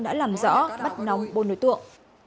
đã làm rõ bắt nóng bốn đối tượng